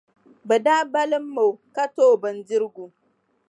Bɛ daa balim o ka ti o bindira.